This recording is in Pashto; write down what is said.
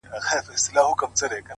زما او ستا په جدايۍ خوشحاله!